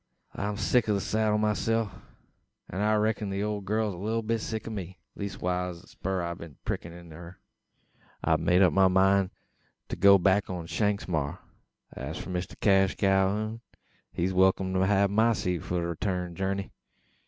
I'm sick o' the seddle myself, an I reck'n the ole gal's a leetle bit sick o' me leestwise o' the spur I've been a prickin' into her. I've made up my mind to go back on Shanks's maar, an as for Mister Cash Calhoun, he's welkim to hev my seat for the reeturn jerney.